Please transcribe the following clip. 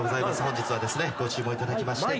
本日はですねご注文いただきまして。